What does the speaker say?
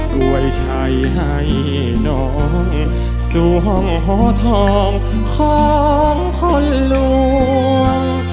ด้วยชัยให้นองสวงหอทองของคนลวง